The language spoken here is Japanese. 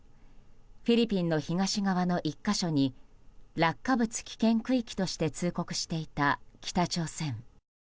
フィリピンの東側の１か所に落下物危険区域として通告していた北朝鮮。